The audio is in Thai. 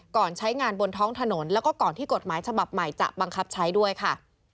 ใช้งานบนท้องถนนแล้วก็ก่อนที่กฎหมายฉบับใหม่จะบังคับใช้ด้วยค่ะ